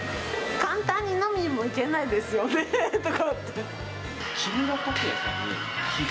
簡単に飲みにもいけないですよね、だからって。